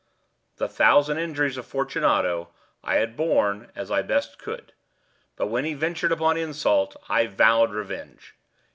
The thousand injuries of Fortunato I had borne as I best could; but when he ventured upon insult, I vowed revenge.